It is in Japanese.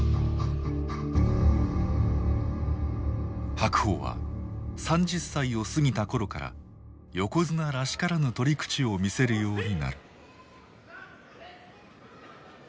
白鵬は３０歳を過ぎた頃から横綱らしからぬ取り口を見せるようになる。